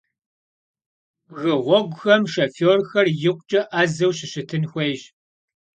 Bgı ğueguxem şşofêrxer yikhuç'e 'ezeu şışıtın xuêyş.